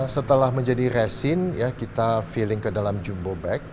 setelah menjadi resin kita feeling ke dalam jumbo bag